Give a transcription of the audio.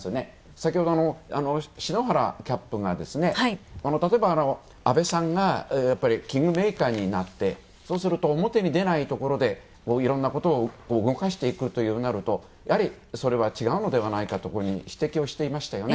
先ほども篠原キャップが、例えば、安倍さんがキングメーカーになってそうすると、表に出ないところでいろんなことを動かしていくというふうになるとやはり、それは違うのではないかと指摘をしていましたよね。